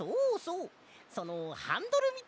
そのハンドルみたいなもの。